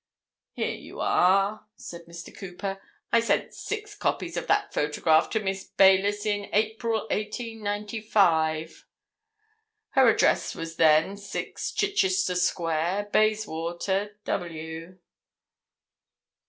"Here you are," said Mr. Cooper. "I sent six copies of that photograph to Miss Baylis in April, 1895. Her address was then 6, Chichester Square, Bayswater, W."